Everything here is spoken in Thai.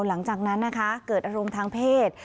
หลังจากนั้นนะคะเกิดอารมณ์ทางเพศ